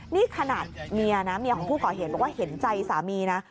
นี่ขนาดเมียนะเมียของผู้ก่อเหตุบอกว่าเห็นใจสามีนะ